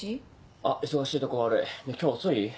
あっ忙しいとこ悪いねぇ今日遅い？